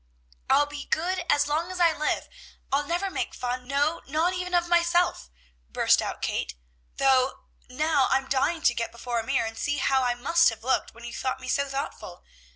"I'll be good as long as I live. I'll never make fun, no, not even of myself," burst out Kate, "though now I'm dying to get before a mirror and see how I must have looked when you thought me so thoughtful.